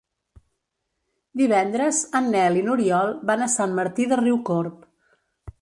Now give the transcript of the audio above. Divendres en Nel i n'Oriol van a Sant Martí de Riucorb.